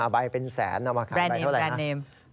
ใบเป็นแสนเอามาขายใบเท่าไหร่นะ